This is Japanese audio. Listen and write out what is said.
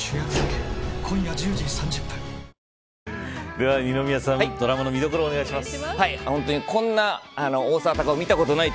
では、二宮さんドラマの見どころをお願いします。